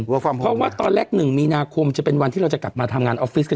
ว่าความเพรงนะเพราะว่าตอนแรกนึงมีนาคมจะเป็นวันที่เราจะกลับมาทำงานออฟฟิศกัน